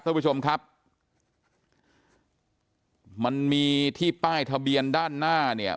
ท่านผู้ชมครับมันมีที่ป้ายทะเบียนด้านหน้าเนี่ย